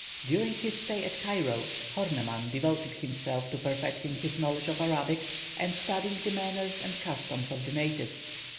During his stay at Cairo, Horneman devoted himself to perfecting his knowledge of Arabic, and studying the manners and customs of the natives.